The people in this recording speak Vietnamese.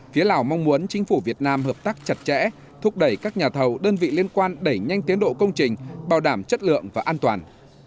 phía lào mong muốn chính phủ việt nam hợp tác chặt chẽ thúc đẩy các nhà thầu đơn vị liên quan đẩy nhanh tiến độ công trình bảo đảm chất lượng và an toàn